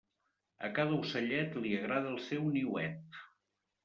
A cada ocellet li agrada el seu niuet.